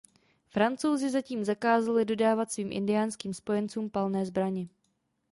Francouzi zatím zakázali dodávat svým indiánským spojencům palné zbraně.